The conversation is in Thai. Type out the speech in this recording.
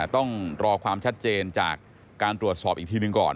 ต้องรอความชัดเจนจากการตรวจสอบอีกทีหนึ่งก่อน